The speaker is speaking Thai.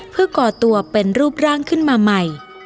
เพื่อก่อตัวเป็นรูปร่างขึ้นมาใหม่